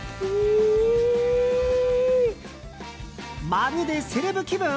まるでセレブ気分？